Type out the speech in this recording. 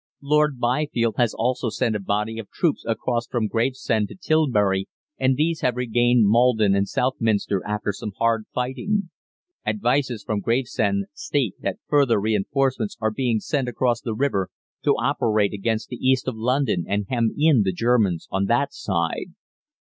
Lord Byfield has also sent a body of troops across from Gravesend to Tilbury, and these have regained Maldon and Southminster after some hard fighting. Advices from Gravesend state that further reinforcements are being sent across the river to operate against the East of London and hem in the Germans on that side.